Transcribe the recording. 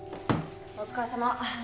お疲れさま。